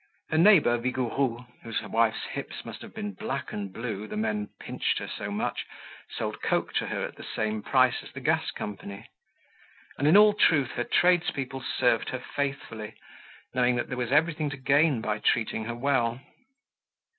Her neighbor Vigouroux, whose wife's hips must have been black and blue, the men pinched her so much, sold coke to her at the same price as the gas company. And, in all truth, her tradespeople served her faithfully, knowing that there was everything to gain by treating her well.